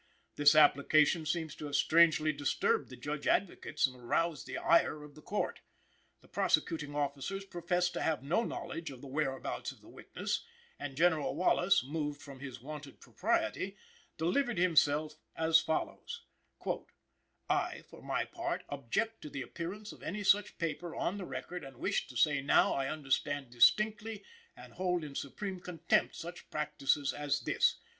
This application seems to have strangely disturbed the Judge Advocates and aroused the ire of the Court. The prosecuting officers professed to have no knowledge of the whereabouts of the witness; and General Wallace, moved from his wonted propriety, delivered himself as follows: "I, for my part, object to the appearance of any such paper on the record, and wish to say now that I understand distinctly and hold in supreme contempt, such practices as this.